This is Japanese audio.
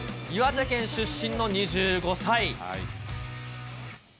岩手県出身の２５歳。